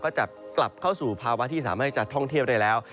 ก็จะกลับเข้าสู่ภาวะที่สามารถจะท่องเที่ยวได้แล้ว